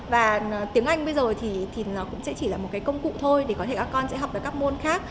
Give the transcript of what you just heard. và tiếng anh bây giờ thì nó cũng sẽ chỉ là một cái công cụ thôi để có thể các con sẽ học được các môn khác